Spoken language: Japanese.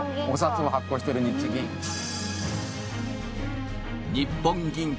お札を発行している日銀。